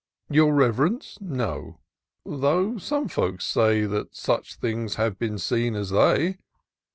" Your Rev'rence, no ;— tho* some folks say That such things have been seen as they.